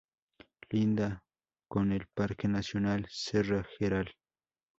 Linda con el Parque nacional Serra Geral.